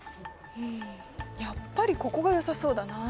うんやっぱりここがよさそうだな。